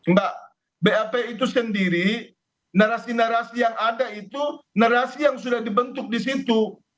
mbak bap itu sendiri narasi narasi yang ada itu narasi yang sudah dibentuk di situ